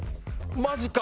マジか！